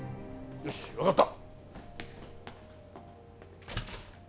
よしわかった。